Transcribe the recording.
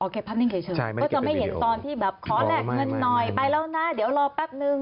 อ๋อเก็บภาพนิ่งเขียนเชิงเขาจะไม่เห็นตอนที่แบบขอแรกเงินหน่อยไปแล้วนะเดี๋ยวรอแป๊บนึง